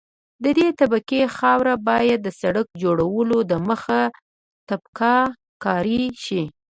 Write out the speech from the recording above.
د دې طبقې خاوره باید د سرک جوړولو دمخه تپک کاري شي